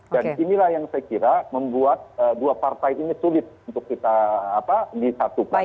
dan inilah yang saya kira membuat dua partai ini sulit untuk kita disatukan